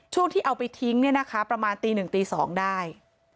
ช่วงที่เอาไปทิ้งเนี่ยนะคะประมาณตี๑ตี๒ได้